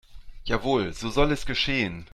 Jawohl, so soll es geschehen.